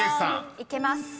いけます。